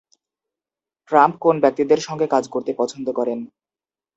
Trump কোন ব্যক্তিদের সঙ্গে কাজ করতে পছন্দ করেন?